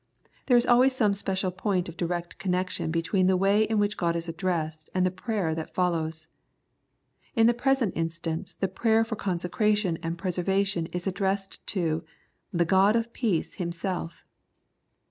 There is always some special point of direct connection between the way in which God is addressed and the prayer that follows. In the present instance the prayer for con secration and preservation is addressed to " The God of Peace Himself."